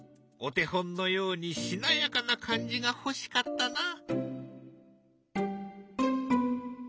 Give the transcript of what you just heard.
お手本のようにしなやかな感じが欲しかったな。